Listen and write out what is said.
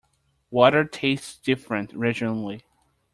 Water tastes different regionally.